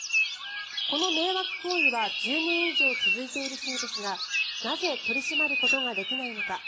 この迷惑行為は１０年以上続いているそうですがなぜ取り締まることができないのか。